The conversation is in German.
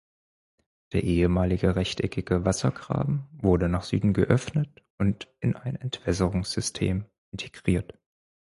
Der ehemalige rechteckige Wassergraben wurde nach Süden geöffnet und in ein Entwässerungssystem integriert.